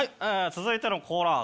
続いてのコーナー